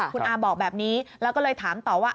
คุณอาบอกแบบนี้แล้วก็เลยถามต่อว่า